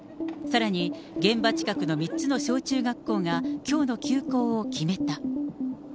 さらに、現場近くの３つの小中学校が、きょうの休校を決めた。